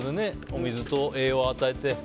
お水と栄養を与えて。